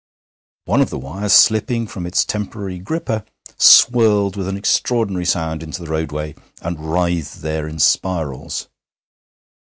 One of the wires, slipping from its temporary gripper, swirled with an extraordinary sound into the roadway, and writhed there in spirals.